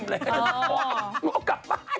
หนูเอากลับบ้าน